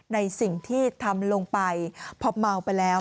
ในสิ่งที่ทำลงไปพอเมาไปแล้ว